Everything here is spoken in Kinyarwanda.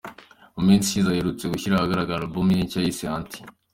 Mu minsi ishize aherutse gushyira ahagaragara album ye nshya yise ‘Anti’.